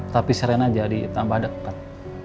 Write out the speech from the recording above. tapi serena jadi tambah dekat